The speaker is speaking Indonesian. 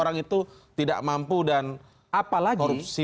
orang itu tidak mampu dan apalagi korupsi